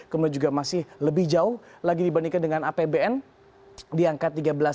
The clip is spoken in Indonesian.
kemudian juga masih lebih jauh lagi dibandingkan dengan apbn di angka tiga belas